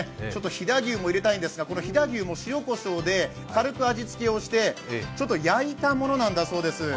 飛騨牛も入れたいんですが、塩こしょうで軽く味付けをしてちょっと焼いたものなんだそうです。